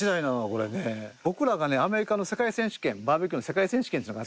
これね僕らがねアメリカの世界選手権バーベキューの世界選手権っていうのがあって。